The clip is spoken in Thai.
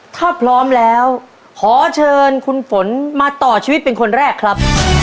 ถ้าพร้อมแล้วขอเชิญคุณฝนมาต่อชีวิตเป็นคนแรกครับ